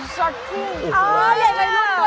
อย่างวัยรุ่นหน้าหนึ่ง